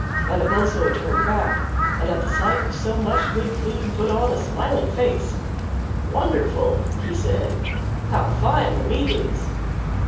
Manabozho turned back, and at the sight of so much good food put on a smiling face. "Wonderful!" he said, "how fine the meat is!"